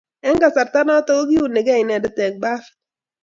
Eng kasarta notok kokiunike inendet eng bafit